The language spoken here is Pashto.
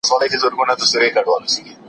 کيفي شاخصونه کوم مسايل په بر کي نيسي؟